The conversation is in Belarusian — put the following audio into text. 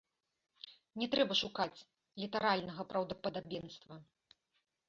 Не трэба шукаць літаральнага праўдападабенства.